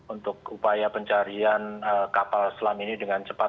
untuk upaya pencarian kapal selam ini dengan cepat